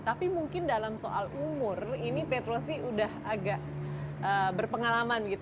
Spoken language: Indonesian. tapi mungkin dalam soal umur ini petrosi sudah agak berpengalaman